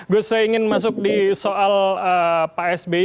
gus saya ingin masuk di soal pak sby